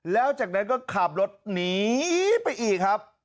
แล้วจากนั้นก็ขับรถหนีไปอีกครับ